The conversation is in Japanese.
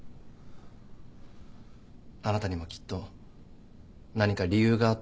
あなたにもきっと何か理由があったと思うんだ。